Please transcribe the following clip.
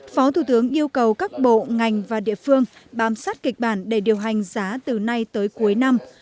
phó thủ tướng yêu cầu các bộ ngành và địa phương bám sát kịch bản để điều hành giá từ nay tới cuối năm